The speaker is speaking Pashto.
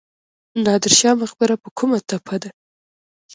نادر شاه مقبره په کومه تپه ده؟